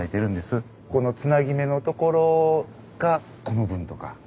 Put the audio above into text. このつなぎ目の所がこの部分とか。